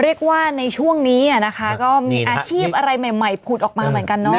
เรียกว่าในช่วงนี้นะคะก็มีอาชีพอะไรใหม่ผุดออกมาเหมือนกันเนาะ